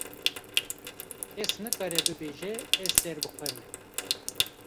kes nikare bibêje ez ser bi xwe me.